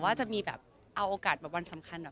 บางทีเค้าแค่อยากดึงเค้าต้องการอะไรจับเราไหล่ลูกหรือยังไง